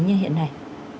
như hiện nay